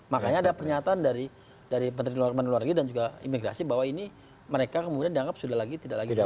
makanya ada pernyataan dari menteri luar negeri dan juga imigrasi bahwa ini mereka kemudian dianggap sudah tidak lagi